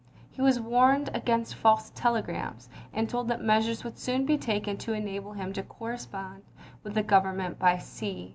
He was warned against false telegrams, and told that measures would soon be taken to enable him to correspond with the Government by sea.